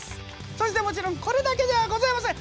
そしてもちろんこれだけではございません。